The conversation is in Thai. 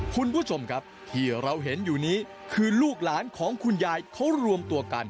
คุณผู้ชมครับที่เราเห็นอยู่นี้คือลูกหลานของคุณยายเขารวมตัวกัน